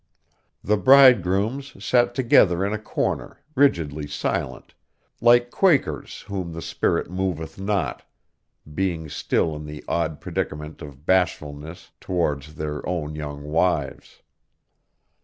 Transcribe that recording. The bridegrooms sat together in a corner, rigidly silent, like Quakers whom the spirit moveth not, being still in the odd predicament of bashfulness towards their own young wives.